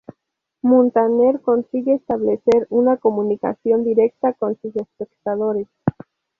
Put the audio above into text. Muntaner consigue establecer una comunicación directa con sus espectadores.